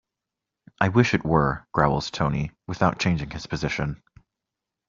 "I wish it were," growls Tony, without changing his position.